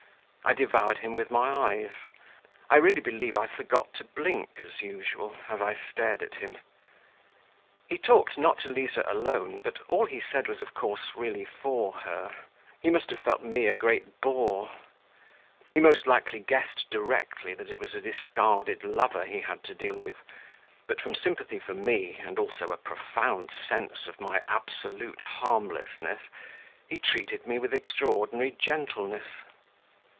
I devoured him with my eyes; I really believe I forgot to blink as usual, as I stared at him. He talked not to Liza alone, but all he said was of course really for her. He must have felt me a great bore. He most likely guessed directly that it was a discarded lover he had to deal with, but from sympathy for me, and also a profound sense of my absolute harmlessness, he treated me with extraordinary gentleness.